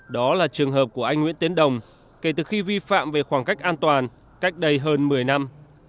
đó là trường hợp của anh nguyễn tiến đồng kể từ khi vi phạm về khoảng cách an toàn cách đây hơn một mươi năm